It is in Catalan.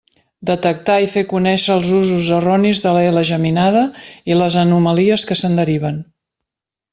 Detectar i fer conèixer els usos erronis de la ela geminada i les anomalies que se'n deriven.